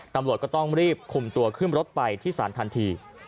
ตำรวจก็ต้องรีบคุมตัวขึ้นรถไปที่ศาลทันที